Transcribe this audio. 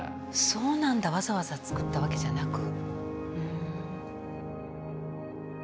そうなんだわざわざ作ったわけじゃなく？